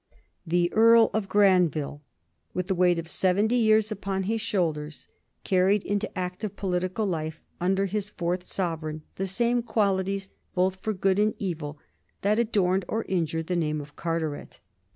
The Earl of Granville, with the weight of seventy years upon his shoulders, carried into active political life under his fourth sovereign the same qualities both for good and evil that adorned or injured the name of Carteret.